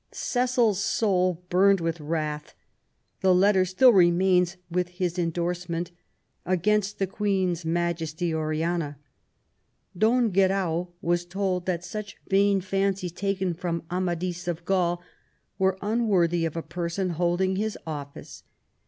Cecil's soul burned with wrath. The letter still remains with ELIZABETH AND MARY STUART, 113 his endorsement :Against the Queen's Majesty Oriana". Don Guerau was told that "such vain fancies taken from Amadis of Gaul were unworthy of a person holding his office.